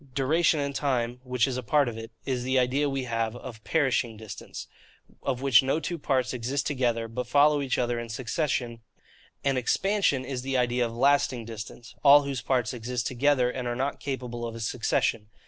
DURATION, and TIME which is a part of it, is the idea we have of PERISHING distance, of which no two parts exist together, but follow each other in succession; an EXPANSION is the idea of LASTING distance, all whose parts exist together and are not capable of succession.